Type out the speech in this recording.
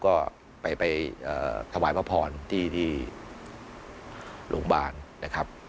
ก็ไปถวายพระพรที่โรงพยาบาลนะครับ